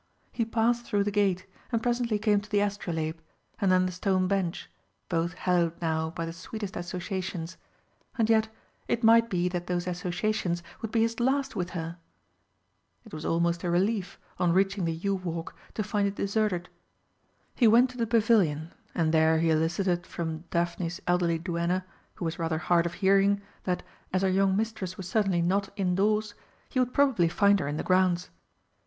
He passed through the gate, and presently came to the astrolabe, and then the stone bench, both hallowed now by the sweetest associations. And yet it might be that those associations would be his last with her! It was almost a relief, on reaching the yew walk, to find it deserted. He went to the Pavilion, and there he elicited from Daphne's elderly duenna, who was rather hard of hearing, that, as her young mistress was certainly not indoors, he would probably find her in the grounds.